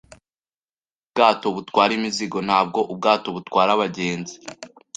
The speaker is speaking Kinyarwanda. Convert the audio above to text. Ubu ni ubwato butwara imizigo, ntabwo ubwato butwara abagenzi.